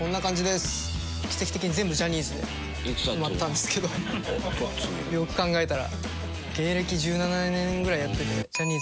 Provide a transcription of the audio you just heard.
奇跡的に全部ジャニーズで埋まったんですけどよく考えたら。